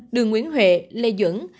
đường nguyễn huệ lê dưỡng